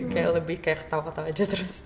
kayak lebih kayak ketawa ketawa aja terus